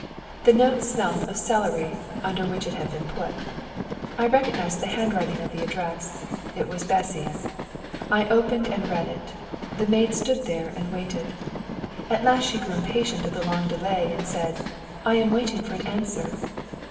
The note smelt of celery, under which it had been put. I recognised the handwriting of the address, it was Bessy's. I opened and read it. The maid stood there and waited. At last she grew impatient of the long delay, and said: "I am waiting for an answer."